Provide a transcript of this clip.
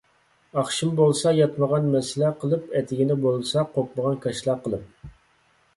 ئاخشىمى بولسا ياتمىغان مەسلە قىلىپ ئەتىگىنى بولسا قوپمىغان كاشىلا قىلىپ